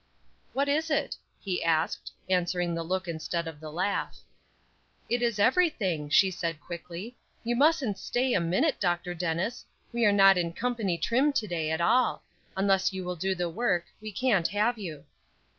"What is it?" he asked, answering the look instead of the laugh. "It is everything," she said, quickly. "You mustn't stay a minute, Dr. Dennis; we are not in company trim to day at all. Unless you will do the work, we can't have you."